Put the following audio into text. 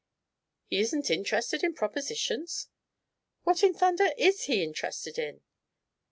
He isn't interested in propositions? What in thunder is he interested in?...